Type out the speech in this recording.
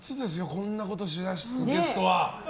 こんなことしだすゲストは。